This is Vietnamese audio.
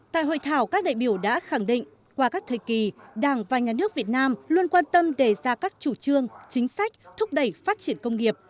tại hội thảo các đại biểu đã khẳng định qua các thời kỳ đảng và nhà nước việt nam luôn quan tâm đề ra các chủ trương chính sách thúc đẩy phát triển công nghiệp